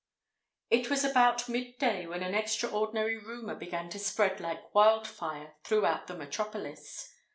It was about mid day when an extraordinary rumour began to spread like wildfire throughout the metropolis.